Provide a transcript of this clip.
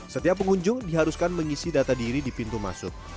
setiap pengunjung diharuskan mengisi data diri di pintu masuk